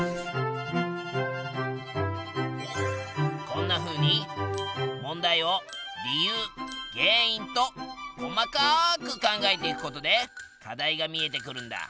こんなふうに問題を理由原因と細かく考えていくことで課題が見えてくるんだ！